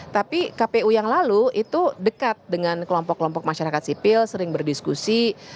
tapi kpu yang lalu itu dekat dengan kelompok kelompok masyarakat sipil sering berdiskusi